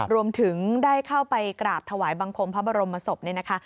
รวมถึงได้เข้าไปกราบถวายบังคมพระบรมศพนี่นะคะ